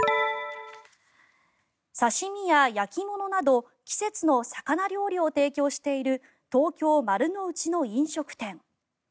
刺し身や焼き物など季節の魚料理を提供している東京・丸の内の飲食店。